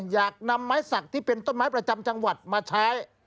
อยากประโดยเลียนไม้สักที่เป็นต้นไม้ประจำจังหวัดมาใช้